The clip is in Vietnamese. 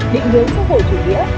định hướng xã hội chủ nghĩa